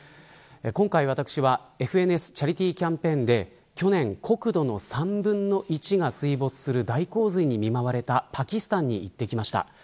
今回私はＦＮＳチャリティキャンペーンで去年、国土の３分の１が水没する大洪水に見舞われたパキスタンに行ってきました。